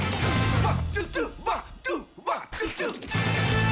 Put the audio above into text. あっ！